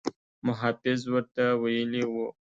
محافظ ورته ویلي وو.